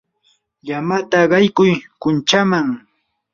llamata qaykuy kunchaman.